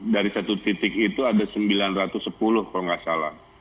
dari satu titik itu ada sembilan ratus sepuluh kalau nggak salah